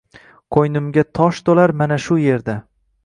Qo’ynimga tosh to’lar mana shu yerda.